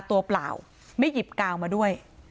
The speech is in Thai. เปล่าไม่หยิบกาวมาด้วย